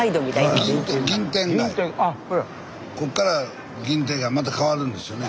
スタジオこっから銀天がまた変わるんですよね。